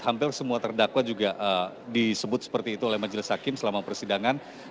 hampir semua terdakwa juga disebut seperti itu oleh majelis hakim selama persidangan